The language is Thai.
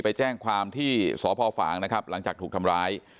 ไปแจ้งความที่สพฝางนะครับหลังจากถูกทำร้าย